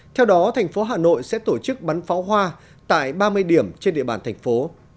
theo đó thành phố hà nội sẽ tổ chức bắn pháo hoa tại ba mươi điểm trên địa bàn thành phố